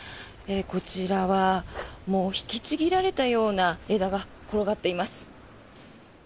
こちらはもう引きちぎられたような枝が転がっています。